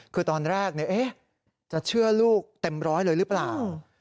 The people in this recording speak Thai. คือตอนแรกจะเชื่อลูกเต็มร้อยเลยหรือเปล่า